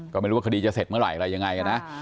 ก็ไม่รู้ว่าคดีจะเสร็จเมื่อไหร่อะไรยังไงนะ